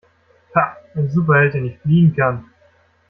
Pah, ein Superheld, der nicht fliegen kann!